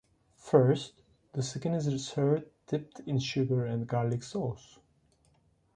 First, the skin is served dipped in sugar and garlic sauce.